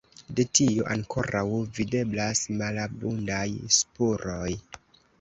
De tio ankoraŭ videblas malabundaj spuroj.